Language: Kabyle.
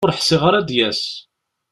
Ur ḥṣiɣ ara ad d-yas.